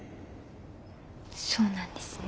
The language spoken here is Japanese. そうなんですね。